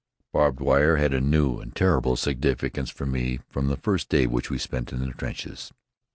Barbed wire had a new and terrible significance for me from the first day which we spent in the trenches.